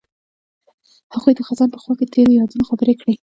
هغوی د خزان په خوا کې تیرو یادونو خبرې کړې.